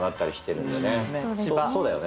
そうだよね？